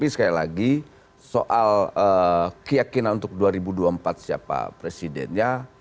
sekali lagi soal keyakinan untuk dua ribu dua puluh empat siapa presidennya